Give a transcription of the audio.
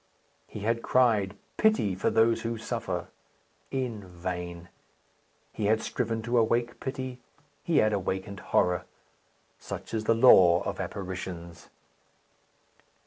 He had cried, "Pity for those who suffer." In vain! He had striven to awake pity; he had awakened horror. Such is the law of apparitions.